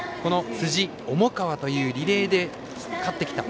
辻、重川というリレーで勝ってきた。